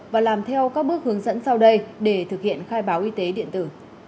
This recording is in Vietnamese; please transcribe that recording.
và làm theo các bước hướng dẫn sau đây để thực hiện khai báo y tế điện tử